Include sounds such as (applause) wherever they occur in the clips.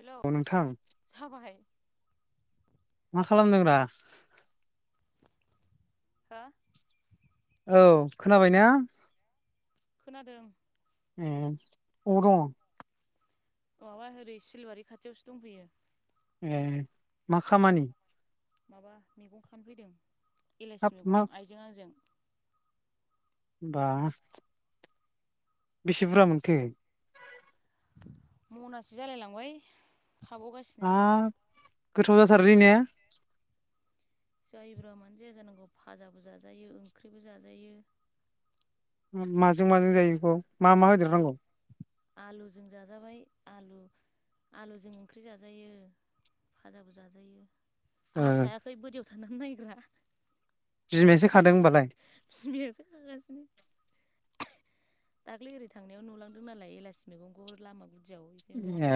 Hello औ नोंथां साबाय, खालामदोंरा होआ औ खोनाबाय ना? खोनादों, उ अबाव दङो माबा ओरै सिलवारि खाथियावसो दंफैयो, ए मा खामानि? माबा मैगं खानफैदों, हाब इलाइसि मा मैगं आइजों आंजों बा बेसे बुरजा मोनखो? मनासे जालाय लांबाय, खाबावगासिनो आरोबाव, हाब गोथाव जाथारो ने जायोब्रा मानो जाया जानांगौ फाजाबो जाजायो ओंख्रिबो जाजायो, माजों माजों जायो बेखौ मा मा होदेरनांगौ, आलुजों जाजाबाय आलु आलुजों ओंख्रि जाजायो भाजाबो जाजायो, ओ आंहा खायाखै बोरियाव, थानानै नायनायग्रा, गिदिंनायसो बिमायासो खागासिनो दाख्लै ओरै थांनायाव नुलांदों नालाय एलासि मैगंखौ लामा, गुदियाव बेखायनो ए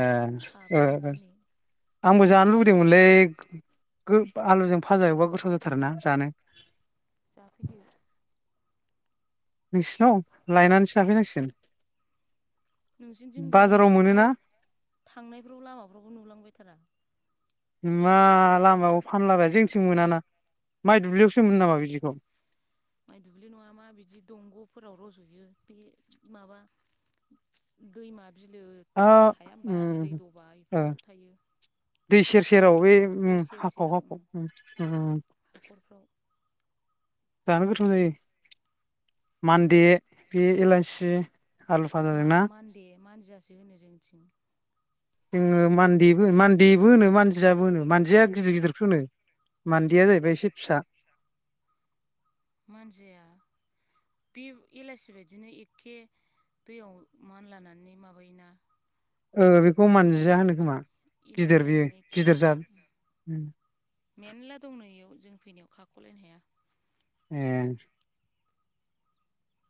ओ खाफैदों ओ दिनै आंबो जानो लुबै दों मोनलै आलुजों गोब बा भाजा एव गोथाव जाथारोना जानो, जाफैदो नोंसिनाव लायनानैसो जाफैनांसिगोन, नोंसिनिथिं गैया बाजाराव नामा माथो मोनोना थांनायफ्राव लामाफ्रावबो नुलां बायथारा, मा लामायाव फानलाबाया जोंथिं मोनाना माइ दुब्लियावसो मोन नामा बिदिखौ, माइ दुब्लि नङा मा बिदि दंग'फोराव रज'यो बे माबा दैमा, बिलो आ थाया होनबा उम दै दबा ओ बेफोराव थायो दै सेर सेराव बे दंग'फ्राव दै उम सेर हाफाव सेराव हाफाव उम उम हाख'रफ्राव, जानो गोथाव जायो मान्दे बे एलाइसि, मा आलुफाजाजों ना मान्दे मानजियासो होनो जोंनिथिं जोङो मानदेबो मानदेबो होनो मानजियाबो होनो मानदिया गिदिर गिदिरखौ होनो मानदेया जाहैबाय एसे फिसा मानजिया बे एलासि बायदिनो एखे दैयाव मानलानानै माबायोना ओ खौ मानजिया होनो खोमा गिदिर बियो एलासिजों एखेहां गिदिर जाद मेरला दं नै इयाव जों फैनायाव खाख'लायनो हाया ए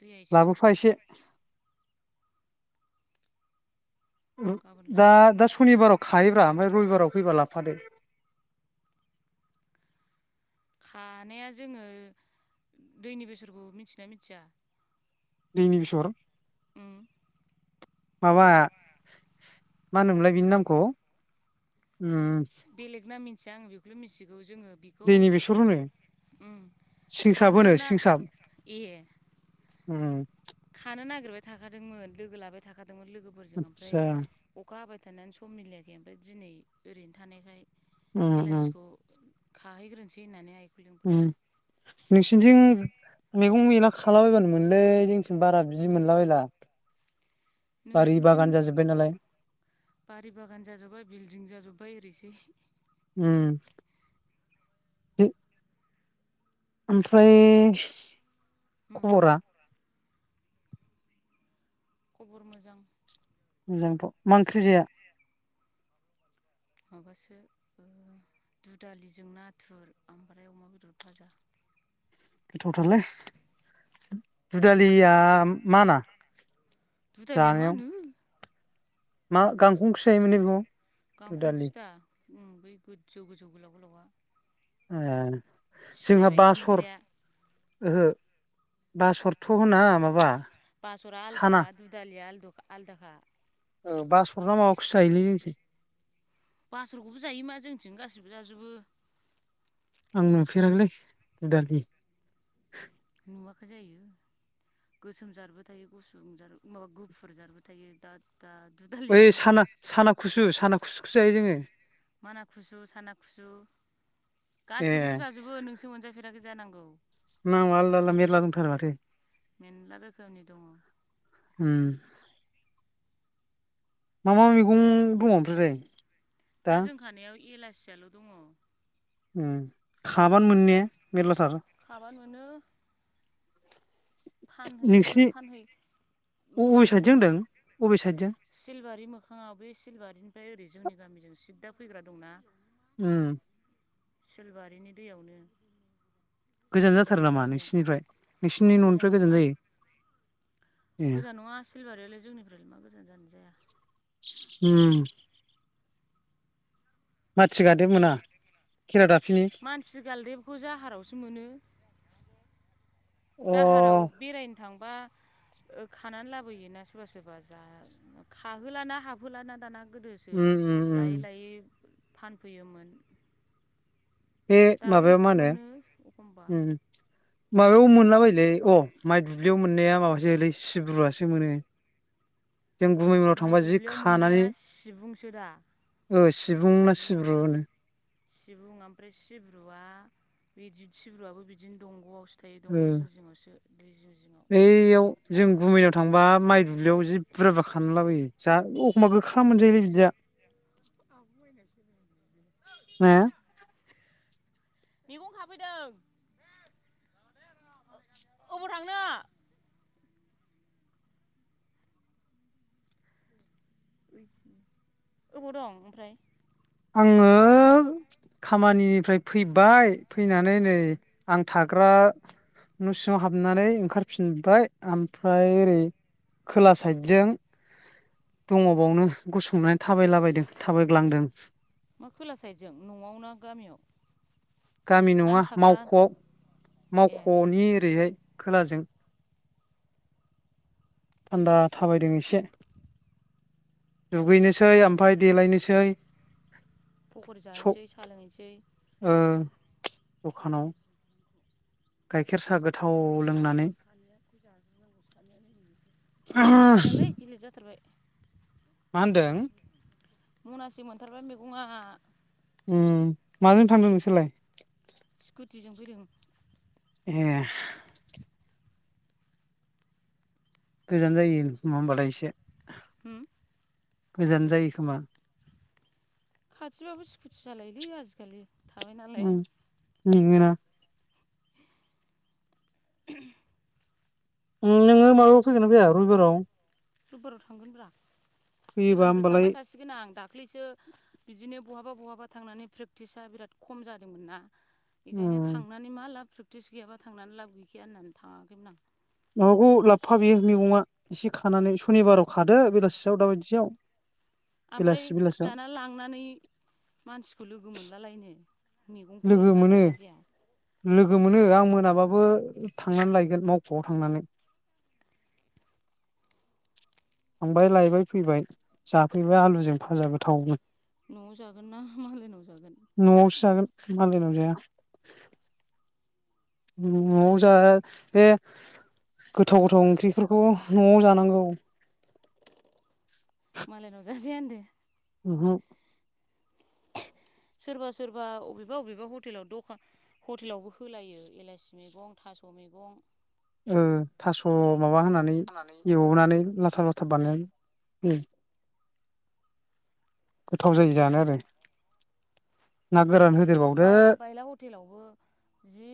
दैया एसे लाबोफा गोथौ एसे गाबोन दा लांफागोन दा र' सनिबाराव खाहैब्रा ओमफ्राय रबिबाराव फैबा लाफादो खानाया जोङो दैनि बेसरखौ मिथिना मिथिया दैनि बिसर ओं माबा मा होनोमलाय बिनि नामखौ ओ बेलेग ना मिथि थिया आं बेखौल मिथिगौ जोङो बिखौ दैनि बेसर होनो ओं सिंसाब होनो खानोना सिंसाब ए उम खानो नागिरबाय थाखादोंमोन लोगो लाबाय थाखादों लोगोफोरजों ओमफ्राय आदसा अखा हाबाय थानानै सम मिलायाखै ओमफ्राय दिनै ओरैनो थानायखाय उम उम एलासिखौ खाहैग्रोनोसै होननानै आइखौ लिंबोदों आं ओं नोंसिनिथिं मैगं मैला खालाबायबानो मोनोलै जोंनिथिं बारा बिदि मोनला बायला नोंसनिथिं बारि बागान जाजोब्बाय बिल्डिं जाजोब्बाय ओरै (unintelligible) ओम ओमफ्राय मा ओमफ्राय खबरा खबर मोजां मोजांथ मा ओंख्रि जाया माबासो दु दालिजों नाथुर ओमफ्राय अमा बेदर फाजा गोथावथारलै दुदालिया मा ना दुदालिया मा जानायाव होनो मा गांखंसो जायोमोन ने बेखौ गांखं दुदालि सोदा उम बै गोजौ गोजौ गोलाव गोलावा ए सिलाय जोंहा बायदि बासर नुग्राया ओहो बासर्थ खौ होना माबा साना आलादाखा। औ बासरना माबाखौ जायो जोंनिथिं बासरखौबो जायोमा जोंनिथिंबो गासैबो जाजोबो। आं नुफेराखैलै दुदालि नुवाखै जायो गोसोम जारबो थायो गुसुं जार माबा गुफुर जारबो थायो दादु ओइ साना साना खुसु साना खुसु खुस जायो जोंङो माना खुसु साना खुसु ए गासिखौबो जाजोबो नोंसो मोनजा फेराखै जानांगौ। नामा आलदा आलदा मेरला दंथारो। मेरला रोखोमनि दङ। उम्म मा मा मैगं दङ ओमफ्रायलाय? दा जोंखानायाव एलासियाल' दङ। उम्म खाबानो मोनोने मेर्लाथार? खाबानो मोनो। फानहैयो नोंसिनि फानहै अबे साइडजों होनदों अबे साइडजों सिलबारि मोखाङाव बे सिलबारिनिफ्राय ओरै जोंनि गामिजों सिददा फैग्रा दंना? उम्म सिलबारिनि दैयावनो गोजान जाथारो सिलबारि नामा गामियाव नोंसिनिफ्राय नोंसिनि न'नि फ्राय गोजान जायो? ए गोजान नङा सिलबारियालाय जोंनिफ्रायलाय मा गोजान जानो जाया। उम्म माथो मानसि गालदेबखौ जाहारावसो मोनो। अ जाहाराव बेरायनो थां बा खानानै लाबोयोना सोरबा सोरबा जा खाहोलाना हाबहोलाना दाना। गोदोसो उम उम उम लायै लायै फान फैयोमोन। बे दाबो माबायाव मा होनो मोनो एखमबा। उम माबायाव मोनला बायोलै अ माइ दुब्लियाव मोननाया माबासोलै सिब्रुवासो मोनो। जों गुमै मोननाव थांबा जि खानानै गोरा। ओ सिबुं ना सिब्रु होनो? सिबुं ओमफ्राय सिब्रुआ बिदि सिब्रुआबो बिदिनो दंग'आवसो बे दंग' जिं जिङावसो। दै जिं जिङाव बेयाव जों गुमैनाव थांबा माइ दुब्लियाव जि बुरजा बुरजा खाना लाबोयो जा एखमबा गोखा मोनजायोलै बिदिया। (unintelligible) माया? मैगं खाफैदों अबाव थांनो? अबाव दं ओमफ्राय? आङो खामानिनिफ्राय फैबाय फैनानै नै आं थाग्रा न' सिङाव हाबनानै ओंखारफिनबाय ओमफ्राय ओरै खोला साइदजों दङबावनो गसंनानै थाबायलाबायदों थाबायग्लांदों। मा खोला साइदजों न'आव ना गामियाव? गामि नङा नांथाग्रा मावख'आव। ए मावख'नि ओरैहाय खोलाजों। थान्दा थाबायदों एसे दुगैनोसै ओमफफ्राय देलायनोसै। पकरि स ओ जाहैनोसै सा लोंहैनोसै। दखानाव गाइखेर साह गोथाव लोंनानै (unintelligible) मा थिखोनो हालायलालै गिलिर जाथारबाय। मा होनदों? मनासे मोनथारबाय मैगंआ। उम माजों थांदों नोंसोरलाय? सिखुटिजों फैदों। ए। गोजान जायो नङा होमबालाय एसे। उम। गोजान जायो खोमा? खाथिबाबो स्कुटि सालायोलै आजिखालि। थाबायनालाय। नंगोना? (inaudible) नोंङो माबायाव फैगोन ना फैया रबिबाराव? रबिबाराव थांगोन ब्रा। फैयोबा इबारनिफ्राय होमबालाय थांबाय थासिगोन आं दा (inaudible) दाखलैसो बिदिनो बहाबा बहाबा थांनानै प्रेकटिसा बिराद खम जादोंमोन ना बेखायनो उम थांनानै मा लाब लिंक्स गैयाबाां लाबो गैखैाया होन्नानै थाङाखैमोन आं (inaudible) माबाखौ लाबफा बियो मेगंआ एसे खानानै सनिबाराव खादो बेलासियाव दाबायदियाव ओमफ्राय बेलासि बेलासियाव दाना लांनानै मानसिखौ लोगो मोनलालायनो मैगंखौ लोगो ओरैनो मोनो लांग्रोनाय जाया। लोगो मोनो आं मोनाबाबो थांनानै लायगोन मावख'आव थांनानै थांबाय लायबाय फैबाय जाफैबाय आलुजों भाजा गोथावनो न'आव जागोन ना मालायनाव जागोन। न'आवसो जागोन मालायनाव जाया न'आव जा बे गोथाव गोथाव ओंख्रिफोरखौ न'आव जानांगौ। मालाय नाव जाजाया ओनदो। उमहो सोरबा सोरबा अबेबा अबेबा हटेलाव दखा हटेलावबो होलायो एलासि मेगं थास' मेगं। ओ थास' माबा होनानै एवनानै लाथा ला बानायनानै उम गोथाव जायो जानो आरो। ना गोरान होदेरबावदो बाय बायला हटेलावबो जि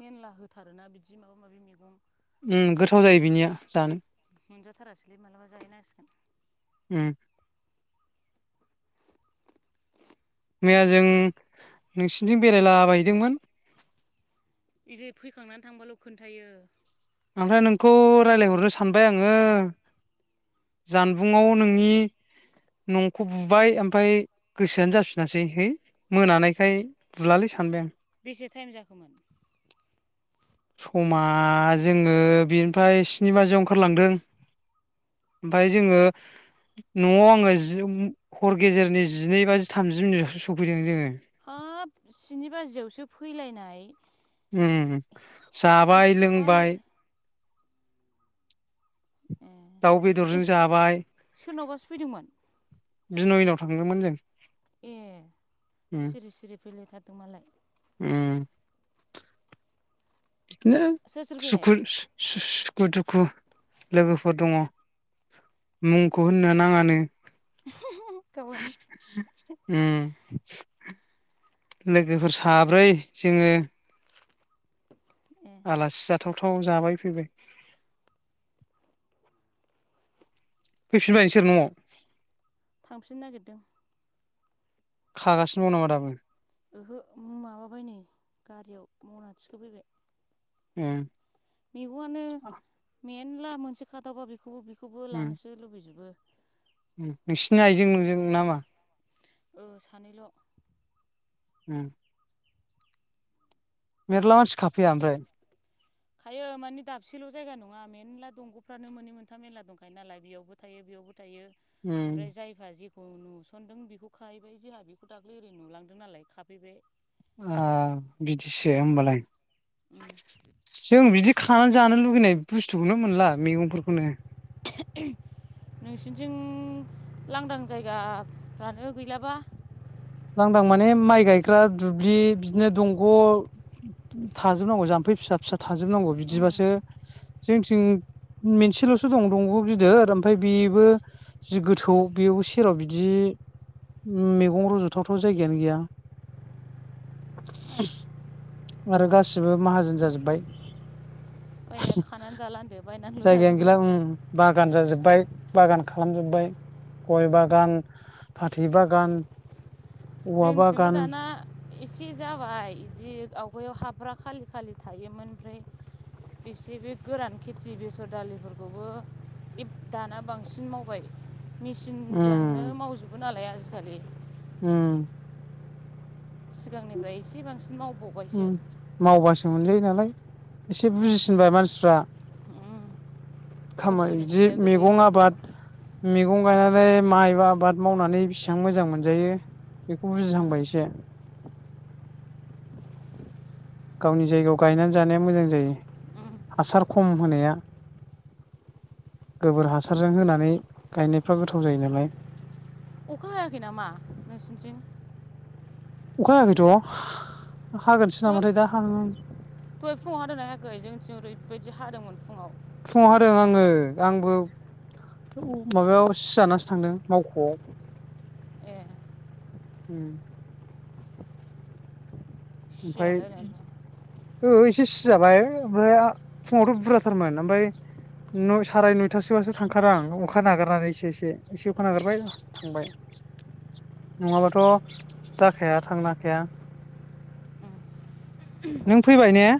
मेनला होथारोना बिदि माबा माबि मेगं उम गोथाव जायो बिनिया जानो मोनजाथारासैलै मालाबा जाहैनांसिगोन उम। मैया जों नोंसिनिथिं बेरायलाबायहैदोंमोन। इदि फैखांनानै थांबाल' खोन्थायो। ओमफाय नोंखौ रायज्लायहरनो सानबाय आङो जानबुंआव नोंनि नंखौ बुबाय ओमफाय गोसोआनो जाफिनासै है मोनानायखाय बुलालै सानबाय आं। बेसे टाइम जाखोमोन? समा जोङो बेनिफ्राय स्नि बाजियाव ओंखारलांदों ओमफाय जोङो न'आव आङो जि हर गेजेरनि जिनै बाजि थामजि मिनिटआव सफैदों जोङो। हाब स्नि बाजियावसो फैलायनाय जाबाय एफा ले लोंबाय दाउ बेदरजों ए जाबाय सोरनावबासो फैदोंमोन बिनयनाव थांदोंमोन जों। ए उम सिरि सिरि फैलायथारदों मालाय। उम इदिनो सोर सोर फैनाय सुखुुर सु-सु सुखु दुखु लोगोफोर दङ। मुंखौ ए होननो नाङानो। गाबोन उम लोगोफोर साब्रै जोङो ए आलासि जाथावथाव जाबाय फैबाय। फैफिनबाय नोंसोर न'आव? थांफिननो नागिरदों। खागासिनबाव नामा दाबो ओहो माबाबाय नै गारियाव मना थिखो फैबाय उम मैगंआनो मेद मनला मोनसे खादावबा बेखौबो बे खौखौबो उम लानोसो लुबैजोबो उम नोंसिनि आइजों नोंजों नामा? ओ सानैल उम मेरला मानसि खाफैया ओमफ्राय? खायो मानि दाबसेल जायगा नङा मेनला दंग फ्रानो मोननै मोनथाम मेरला दंखायो नालाय बेयावबो थायो बेयावबो थायो मफ्राय उम जायफ्रा जे औ नुसनदों बेखौ खाहैबाय जोंहा बेखौ दाख्लै ओरै नुलांदों नालाय खाफैबाय आ बिदिसो ओमबालाय उम जों बिदि खानानै जानो लुुबैनाय बुस्थुखौनो मोनला मैगंफोरखौनो नोंसिनिथिं लांदां जायगा फ्रानो गैलाबा लांदां माने माइ गायग्रा दुब्लि बिदिनो दंग थाजोबनांगौ जाम्फै फिसा फिसा थाजोबनांगौ उम बिदिबासो जोंथिं मिनसेल सो दं दंग गिदिर ओमफ्राय बेबो जि गोथौ बेबो सेराव बिदि मैगं रज थाव थाव जायगायानो गैया आरो गासिबो माहाजोन जाजोब्बाय बायना खानानै जाला होनदो बायनानैल' जायगायान जाजोब्बाय गैला ओं बागान जाजोब बाय बागान खालामजोब्बाय गय बागान फाथै बागान औवा जोंनिथिंबो बागान दाना इसे जाबाय इदि आवगायाव हाफ्रा खालि खालि थायोमोन ओमफ्राय एसे बे गोरान खेथि बेसर दालिफोरखौबो इब दाना बांसिन मावबाय मेसिन जाननो उम मावजोबोन नाला लाय आजिखालि उम सिगांनिफ्राय एसे बांसिन उम मावबावबायसो मावबासो मोनजायो नालाय एसे उम, बुजिसिनबाय मानसिफ्रा उम, खामाय खस्थ'नि बिदि फिथाइया गोदै मैगं होननायखौ आबाद मैगं गायनानै माइ बा आबाद मावनानै बिसांबां मोजां मोनजायो बेखौ उम, बुजिहांबाय एसे गावनि जायगायाव गायनानै जानाया मोजां जायो उम। हासार खम होनाया गोबोर हासारजों होनानै गायनायफ्रा गोथाव जायो नालाय अखा हायाखै नामा नोंसिथिं? अखाखैथ हा हो दहाय फुुंआव हादोंना‌ हायाखै जोंनिथिं ओरैबायदि हादोंमोन फुङाव फुङाव हादों आङो आंबो माबायाव सिजानासो थांदों मावख'आव ए उम ओमफाय सियालायनानै ओ एसे सिजाबाय ओमफाया फुङावथ' बुरजाथारमोन आमफाय नय साराय नयथासोबासो थांखादां अ'खा नागारनानै एसे एसे अखा उम, नागारबाय थांबाय नङाबाथ' जाखाया थांनो हाखाया। उम। नों फैबाय ने?